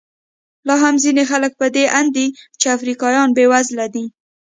لا هم ځینې خلک په دې اند دي چې افریقایان بېوزله دي.